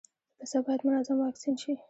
پسه باید منظم واکسین شي.